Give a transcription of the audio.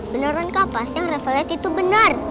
beneran kak pas yang rafa liat itu bener